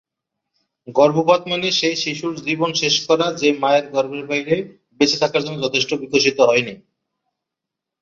গর্ভপাত মানে সেই শিশুর জীবন শেষ করা, যে মায়ের গর্ভের বাইরে বেঁচে থাকার জন্য যথেষ্ট বিকশিত হয়নি।